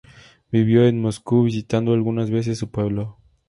Vivió en Moscú, visitando algunas veces su pueblo.